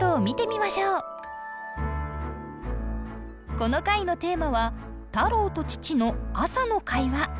この回のテーマは「太郎と父の朝の会話」。